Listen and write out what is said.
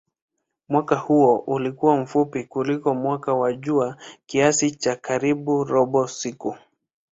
Mwaka huo ulikuwa mfupi kuliko mwaka wa jua kiasi cha karibu robo siku.